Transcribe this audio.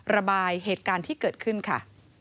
ระบายเหตุการณ์ที่เกิดขึ้นค่ะ